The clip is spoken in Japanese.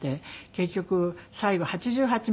結局最後８８まで。